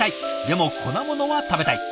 でも粉モノは食べたい。